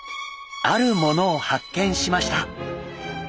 あるものを発見しました。